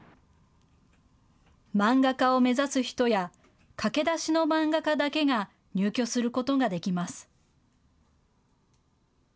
漫画家を目指す人や、駆け出しの漫画家だけが入居することができます。